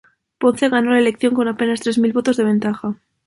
Ponce ganó la elección con apenas tres mil votos de ventaja.